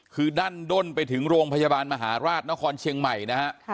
คือดั้นด้นไปถึงโรงพยาบาลมหาราชนครเชียงใหม่นะฮะ